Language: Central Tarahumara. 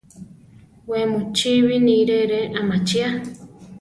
We mu chi binírire amachia.